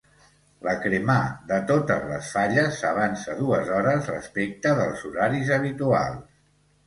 La cremà de totes les falles s’avança dues hores respecte dels horaris habituals.